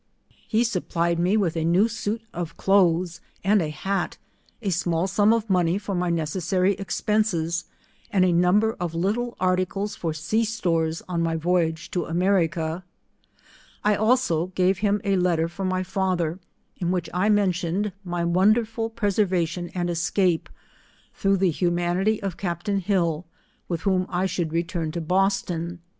He supplied me with a new suit of clothes, and a hat, a small sum of money for my necessary expences, and a number of little articles for sea stores on my voyage to America. I also gave him a letter for my father, in which I mentioned my wonderful preservation and escape, through the humanity of captain Hill, with whom I should return to Boston.